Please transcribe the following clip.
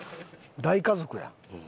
大家族やん。